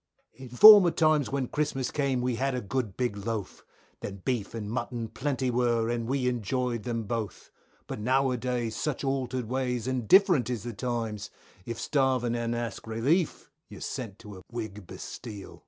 In former times when Christmas came we had a good big loaf, Then beef and mutton plenty were, and we enjoyed them both, But now a days such altered ways and different is the times, If starving and ask relief you're sent to a Whig bastile.